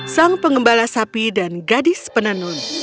sang pengembala sapi dan gadis penenun